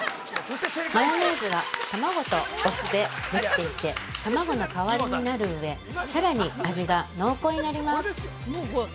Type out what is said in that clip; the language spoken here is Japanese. マヨネーズは卵とお酢でできていて卵の代わりになる上さらに味が濃厚になります。